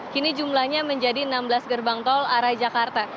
kini jumlahnya menjadi enam belas gerbang tol arah jakarta